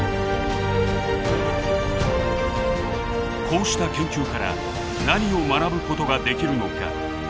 こうした研究から何を学ぶことができるのか。